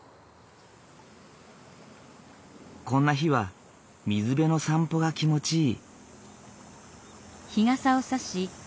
こんな日は水辺の散歩が気持ちいい。